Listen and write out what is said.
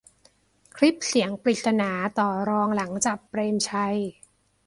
คลิปเสียงปริศนา ต่อรองหลังจับ "เปรมชัย"